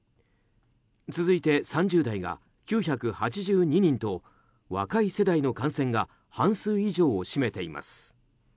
続いて、３０代が９８２人と若い世代の感染が半数以上を占めています。